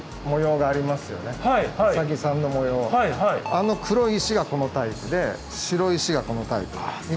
あの黒い石がこのタイプで白い石がこのタイプになります。